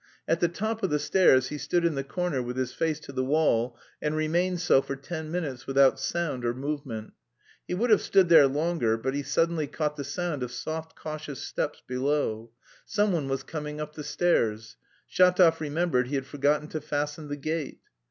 At the top of the stairs he stood in the corner with his face to the wall and remained so for ten minutes without sound or movement. He would have stood there longer, but he suddenly caught the sound of soft cautious steps below. Someone was coming up the stairs. Shatov remembered he had forgotten to fasten the gate.